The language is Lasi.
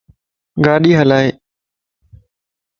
ڳاڏي ھلائي